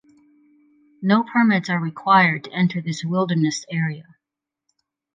No permits are required to enter this wilderness area.